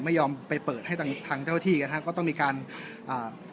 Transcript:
ไม่ยอมไปเปิดให้ทางทางเจ้าที่นะฮะก็ต้องมีการอ่า